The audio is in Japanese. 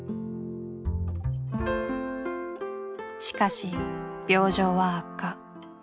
しかし病状は悪化。